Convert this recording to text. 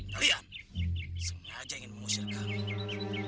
kalian sengaja ingin mengusir kami